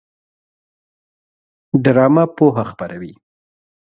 ډرامه پوهه خپروي